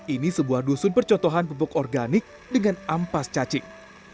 ini sebuah dusun percontohan pupuk organik dengan ampas cacing